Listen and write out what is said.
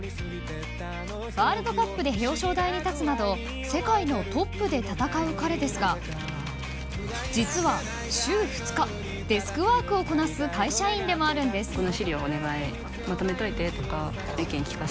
ワールドカップで表彰台に立つなど世界のトップで戦う彼ですが実は週２日デスクワークをこなす会社員でもあるんです。